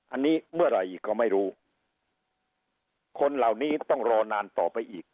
อันนี้เมื่อไหร่อีกก็ไม่รู้คนเหล่านี้ต้องรอนานต่อไปอีก